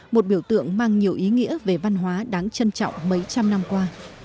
một biểu tượng mang nhiều ý nghĩa về văn hóa đáng trân trọng mấy trăm năm qua